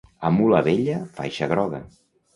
A mula vella, faixa groga.